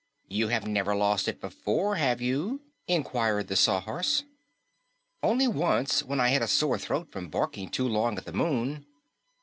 "You have never lost it before, have you?" inquired inquired the Sawhorse. "Only once, when I had a sore throat from barking too long at the moon."